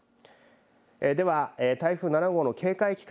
では台風７号の警戒期間